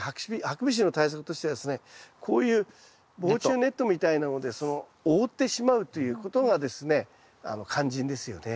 ハクビシンの対策としてはですねこういう防虫ネットみたいなので覆ってしまうということがですね肝心ですよね。